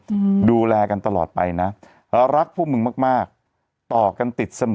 อืมดูแลกันตลอดไปนะรักพวกมึงมากมากต่อกันติดเสมอ